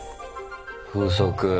風速。